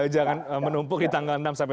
jangan menumpuk di tanggal enam sampai